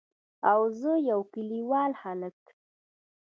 او زه يو کليوال هلک.